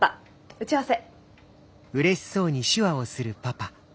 打ち合わせ。